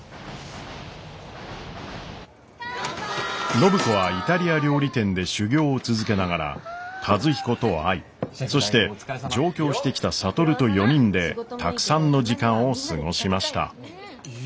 暢子はイタリア料理店で修業を続けながら和彦と愛そして上京してきた智と４人でたくさんの時間を過ごしました。